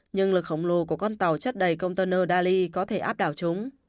nhưng lực khổng lồ của con tàu chất đầy container dali có thể áp đảo chúng